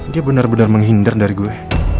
dia bener bener menghindar dari gue